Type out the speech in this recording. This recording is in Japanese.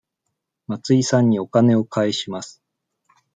松井さんにお金を返します。